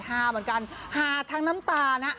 ฮาเหมือนกันฮาทั้งน้ำตานะ